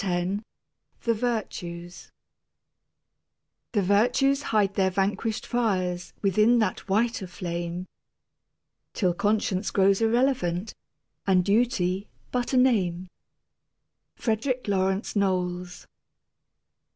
X THE VIRTUES The virtues hide their vanquished fires Within that whiter flame Till conscience grows irrelevant And duty but a name. FREDERICK LAWRENCE KNOWLES.